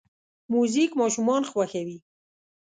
موزیک ماشومان خوښوي.